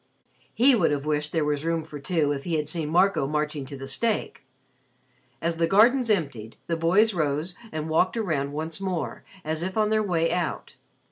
He would have wished there was room for two if he had seen Marco marching to the stake. As the gardens emptied, the boys rose and walked round once more, as if on their way out.